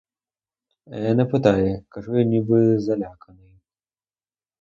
— Е, не питай, — кажу я ніби заляканий.